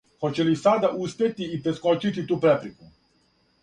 Хоће ли сада успети и прескочити ту препреку?